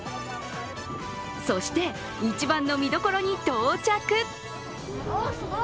そして、一番の見どころに到着。